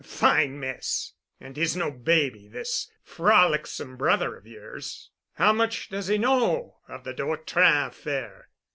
"A fine mess! And he's no baby—this frolicsome brother of yours! How much does he know of the de Vautrin affair?"